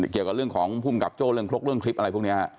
เกี่ยวกับเรื่องของภูมิกับโจ้เรื่องครกเรื่องคลิปอะไรพวกนี้